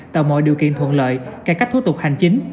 tạo mọi điều kiện thuận lợi cải cách thủ tục hành chính